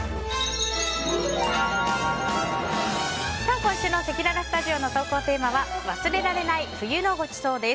今週のせきららスタジオの投稿テーマは忘れられない冬のごちそうです。